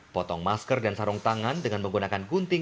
potong masker dan sarung tangan dengan menggunakan gunting